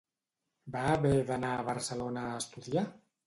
Va haver d'anar a Barcelona a estudiar?